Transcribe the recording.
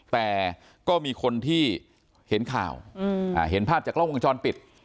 แต่ก็มีคนที่เห็นข่าวเห็นภาพจากกล้องวงจรปิด